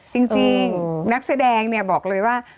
จริงนักแสดงเนี่ยบอกเลยว่า